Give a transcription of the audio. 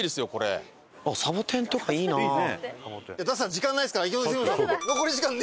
時間ないですから行きましょう！